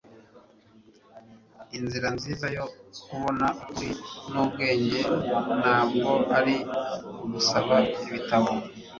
inzira nziza yo kubona ukuri n'ubwenge ntabwo ari ugusaba ibitabo